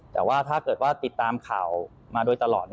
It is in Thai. แต่ว่าถ้าเกิดว่าติดตามข่าวมาโดยตลอด